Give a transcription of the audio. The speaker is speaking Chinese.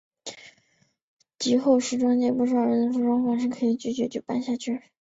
及后时装界不少人在反思时装周是否可以继续举办下去。